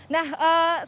nah sesuai dengan